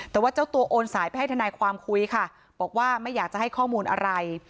แต่ว่าเจ้าตัวโอนสายไปให้ทนายความคุยค่ะบอกว่าไม่อยากจะให้ข้อมูลอะไร